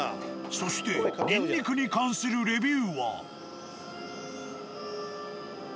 そしてニンニクに関するレビューは。